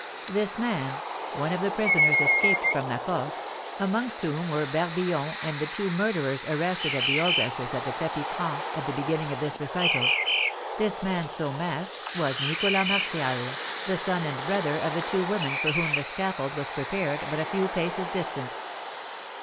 This man one of the prisoners escaped from La Force (amongst whom were Barbillon and the two murderers arrested at the ogress's at the tapis franc, at the beginning of this recital) this man so masked was Nicholas Martial, the son and brother of the two women for whom the scaffold was prepared but a few paces distant.